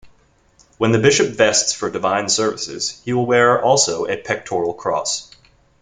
When the bishop vests for Divine Services, he will wear also a pectoral cross.